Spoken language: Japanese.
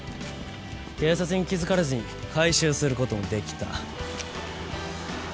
警察に気づかれずに回収する事もできた。